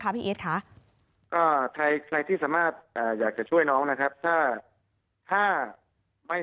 ค่ะพี่เอสค่ะใครที่สามารถอยากจะช่วยน้องนะครับถ้าไม่